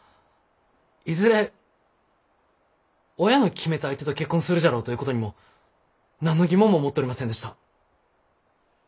いずれ親の決めた相手と結婚するじゃろうということにも何の疑問も持っとりませんでした。